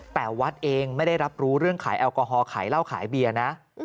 แต่วัดเองไม่ได้รับรู้เรื่องขายแอลกอฮอลขายเหล้าขายเบียร์นะ